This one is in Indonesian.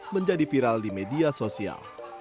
menjadi viral di media sosial